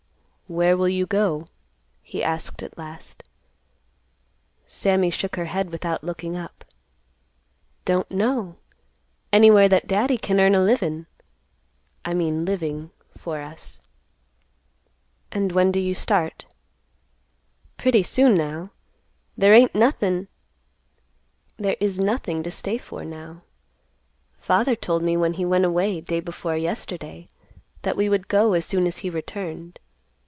"Where will you go?" he asked at last. Sammy shook her head without looking up; "Don't know; anywhere that Daddy can earn a livin'—I mean living—for us." "And when do you start?" "Pretty soon now; there ain't nothin'—there is nothing to stay for now. Father told me when he went away day before yesterday that we would go as soon as he returned.